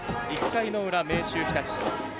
１回の裏、明秀日立。